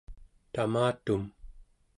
tamatum